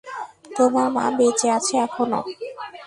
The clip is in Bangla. তোমার মা বেঁচে আছে এখনো?